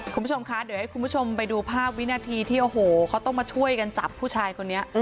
คุณผู้ชมคะเดี๋ยวให้คุณผู้ชมไปดูภาพวินาทีที่โอ้โหเขาต้องมาช่วยกันจับผู้ชายคนนี้